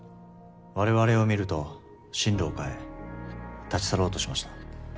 我々を見ると進路を変え立ち去ろうとしました。